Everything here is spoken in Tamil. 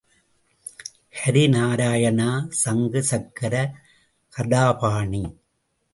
ஹரி நாராயணா! சங்கு சக்ர கதாபாணி!